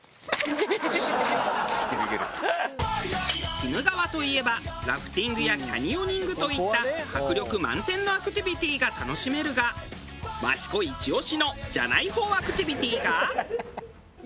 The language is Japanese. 鬼怒川といえばラフティングやキャニオニングといった迫力満点のアクティビティが楽しめるが益子イチ押しのじゃない方アクティビティが。